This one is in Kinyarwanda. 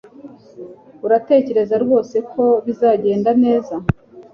Uratekereza rwose ko bizagenda neza